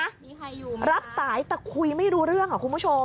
มีใครอยู่มั้งครับรับสายแต่คุยไม่รู้เรื่องเหรอคุณผู้ชม